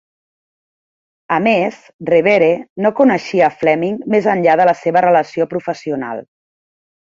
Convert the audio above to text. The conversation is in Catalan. A més, Revere no coneixia Fleming més enllà de la seva relació professional.